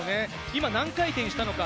今、何回転したのか？